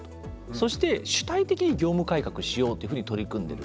そして、主体的に業務改革をしようというふうに取り組んでる。